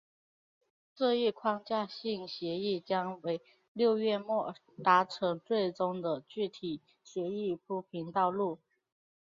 这一框架性协议将为六月末达成最终的具体协议铺平道路。